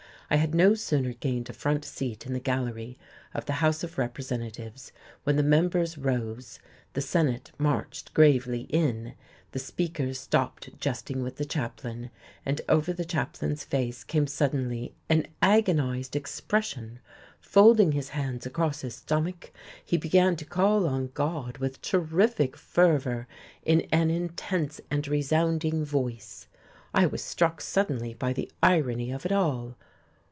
I had no sooner gained a front seat in the gallery of the House of Representatives when the members rose, the Senate marched gravely in, the Speaker stopped jesting with the Chaplain, and over the Chaplain's face came suddenly an agonized expression. Folding his hands across his stomach he began to call on God with terrific fervour, in an intense and resounding voice. I was struck suddenly by the irony of it all.